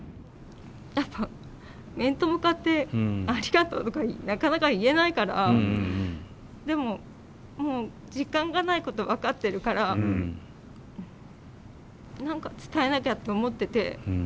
やっぱ面と向かってありがとうとかなかなか言えないからでももう時間がないこと分かってるから何か伝えなきゃって思ってて。